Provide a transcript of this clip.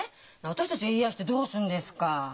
私たちが言い合いしてどうするんですか。